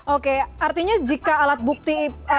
oke artinya jika alat bukti